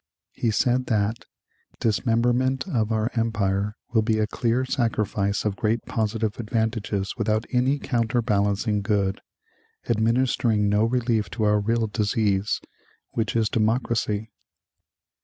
He said that "dismemberment of our empire will be a clear sacrifice of great positive advantages without any counterbalancing good, administering no relief to our real disease, which is Democracy."